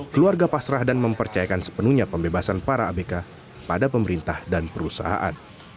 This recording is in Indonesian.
keluarga pasrah dan mempercayakan sepenuhnya pembebasan para abk pada pemerintah dan perusahaan